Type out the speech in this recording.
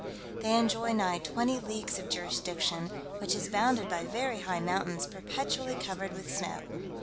They enjoy nigh twenty leagues of jurisdiction, which is bounded by very high mountains perpetually covered with snow.